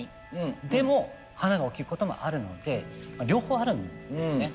でも華が起きることもあるので両方あるんですね。